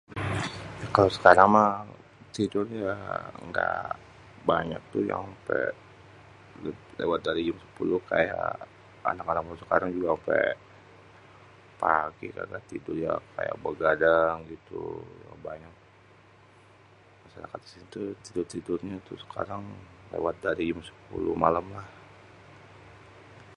kalau sekarang mah tidurnya gak banyak tuh nyampé lewat dari jam 10, kaya anak-anak zaman sekarang juga nyampé pagi tidurnya kaya bégadang gitu, banyak masyarakat disini tuh tidur-tidurnya tuh sekarang lewat dari jam 10 malem lah.